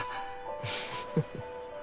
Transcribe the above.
フフフフッ。